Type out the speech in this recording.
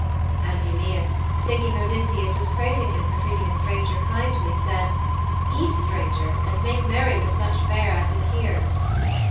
And Eumæus, thinking Odysseus was praising him for treating a stranger kindly, said, 'Eat, stranger, and make merry with such fare as is here.'